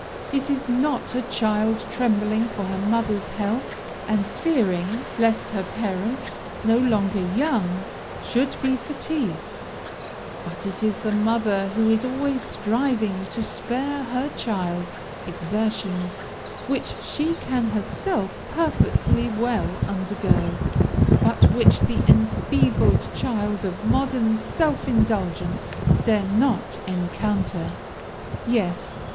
It is not a child trembling for her mother's health, and fearing, lest her parent, no longer young, should be fatigued; but it is the mother who is always striving to spare her child exertions which she can herself perfectly well undergo, but which the enfeebled child of modern self indulgence dare not encounter. "Yes!